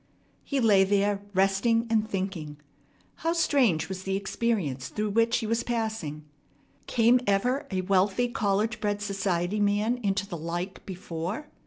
He lay there resting and thinking. How strange was the experience through which he was passing! Came ever a wealthy, college bred, society man into the like before?